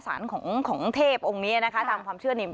ของของเทพองค์นี้นะคะตามความเชื่อนี่